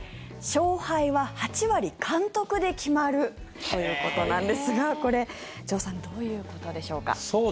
勝敗は８割監督で決まるということなんですがこれ城さんどういうことでしょうか。